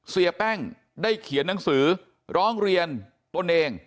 เสียแป้งได้เขียนหนังสือร้องเรียนตนเอง